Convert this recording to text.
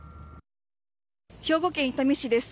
兵庫県伊丹市です。